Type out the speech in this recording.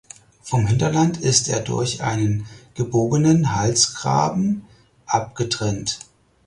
Vom Hinterland ist er durch einen gebogenen Halsgraben abgetrennt.